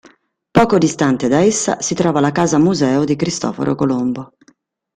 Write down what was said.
Poco distante da essa si trova la casa-museo di Cristoforo Colombo.